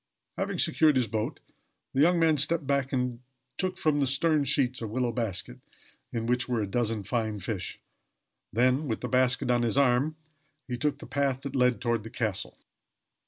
Having secured his boat, the young man stepped back and took from the stern sheets a willow basket, in which were a dozen fine fish; and then, with the basket on his arm, he took the path that led toward the castle.